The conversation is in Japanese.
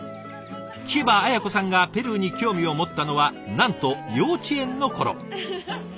聞けば文子さんがペルーに興味を持ったのはなんと幼稚園の頃。